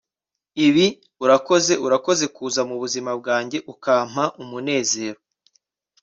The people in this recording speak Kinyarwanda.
ibi urakoze urakoze kuza mubuzima bwanjye ukampa umunezero